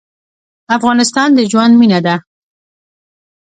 افغانستان د ژوند مېنه ده.